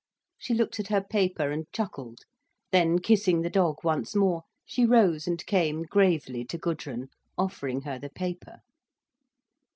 She looked at her paper and chuckled. Then, kissing the dog once more, she rose and came gravely to Gudrun, offering her the paper.